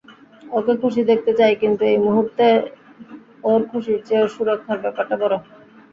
ওকে খুশি দেখতে চাই কিন্তু এই মুহূর্তে, ওর খুশির চেয়েও সুরক্ষার ব্যাপারটা বড়।